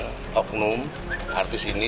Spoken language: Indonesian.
yang dalam oknum artis ini